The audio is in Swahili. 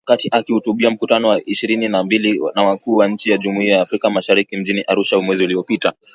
Wakati akihutubia Mkutano wa ishirini na mbili wa Wakuu wa Nchi wa Jumuiya ya Afrika Mashariki mjini Arusha mwezi uliopita.